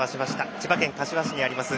千葉県柏市にあります